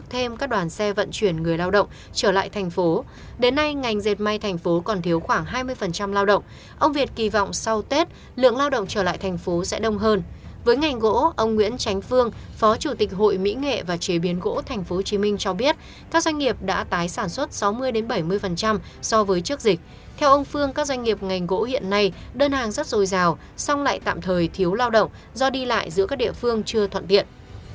theo ông phương các doanh nghiệp ngành gỗ hiện nay đơn hàng rất dồi dào song lại tạm thời thiếu lao động do đi lại giữa các địa phương chưa thuận tiện